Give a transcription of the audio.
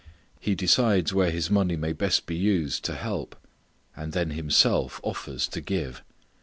He decides where his money may best be used to help; and then himself offers to give.